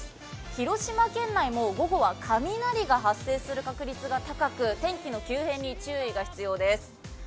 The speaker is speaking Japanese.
広島県内も午後は雷が発生する確率が高く、天気の急変に注意が必要です。